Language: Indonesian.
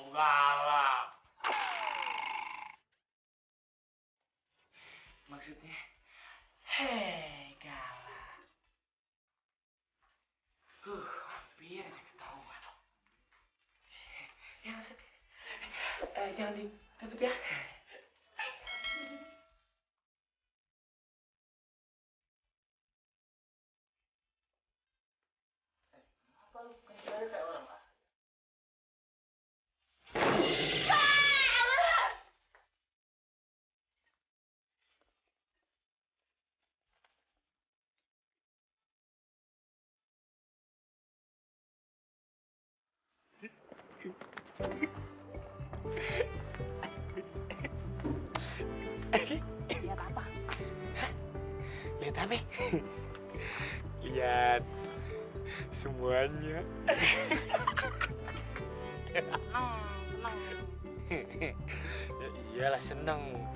karena anak kita jadi pedang sang